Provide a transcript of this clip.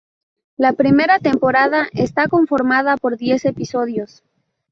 La primera temporada está conformada por diez episodios.